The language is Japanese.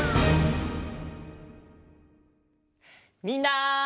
みんな！